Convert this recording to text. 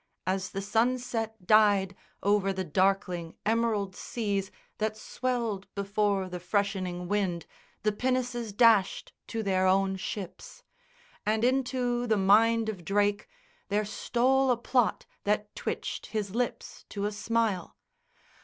As the sunset died Over the darkling emerald seas that swelled Before the freshening wind, the pinnaces dashed To their own ships; and into the mind of Drake There stole a plot that twitched his lips to a smile.